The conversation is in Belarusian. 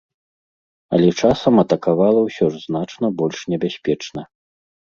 Але часам атакавала ўсё ж значна больш небяспечна.